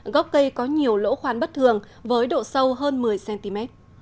gốc cây có nhiều lỗ khoan bất thường với độ sâu hơn một mươi cm